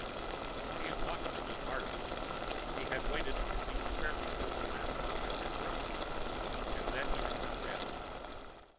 He had watched a good part of it. He had waited until he was fairly sure the last bomb had been dropped; then he had come down.